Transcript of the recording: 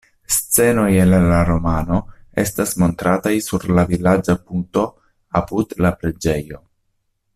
Scenoj el la romano estas montrataj sur la vilaĝa puto apud la preĝejo.